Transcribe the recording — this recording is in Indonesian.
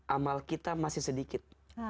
amal kita masih sedikit